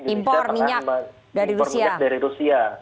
impor minyak dari rusia